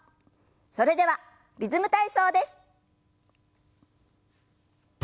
それでは「リズム体操」です。